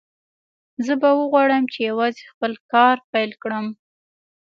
زه به وغواړم چې یوازې خپل کار پیل کړم